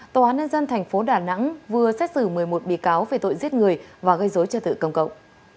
tòa án nhân dân tp đà nẵng vừa xét xử một mươi một bị cáo về tội giết người và gây dối trật tự công cộng